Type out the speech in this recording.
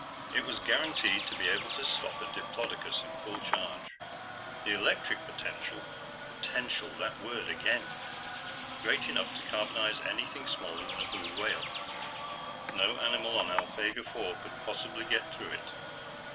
It was guaranteed to be able to stop a diplodocus in full charge; the electric potential (potential! That word again!) great enough to carbonize anything smaller than a blue whale. No animal on Alphegar IV could possibly get through it.